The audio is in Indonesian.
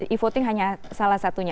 enam belas e voting hanya salah satunya